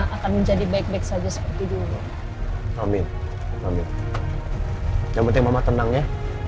akan menjadi baik baik saja seperti dulu amin amin yang penting mama tenangnya